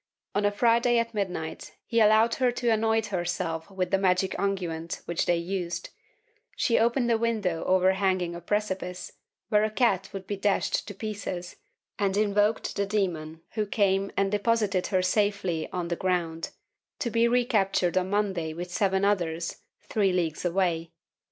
On a Friday at midnight he allowed her to anoint herself with the magic unguent which they used; she opened a window over hanging a precipice, where a cat would be dashed to pieces, and invoked the demon who came and deposited her safely on the ground— to be recaptured on Monday with seven others, three leagues away.